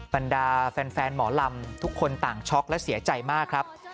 บรรดาแฟนหมอลำทุกคนต่างช็อกและเสียใจมากครับ